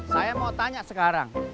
saya mau tanya sekarang